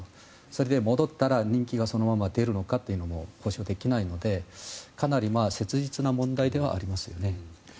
それで戻ったら人気がそのまま出るのかというのが保証できないのでかなり切実な問題ではありますね。